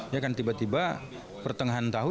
ya kan tiba tiba pertengahan tahun